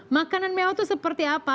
makanan mewah itu seperti apa